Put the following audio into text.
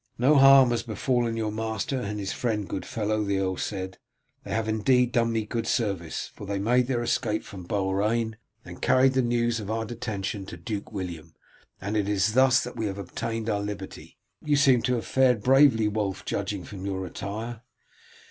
'No harm has befallen your master and his friend, good fellow,' the earl said. 'They have indeed done me good service, for they made their escape from Beaurain and carried the news of our detention to Duke William, and it is thus that we have all obtained our liberty.' You seem to have fared bravely, Wulf, judging from your attire."